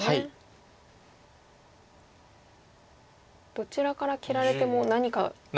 どちらから切られても何か。